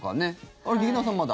あれ、劇団さん、まだ？